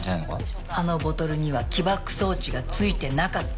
あのボトルには起爆装置がついてなかった。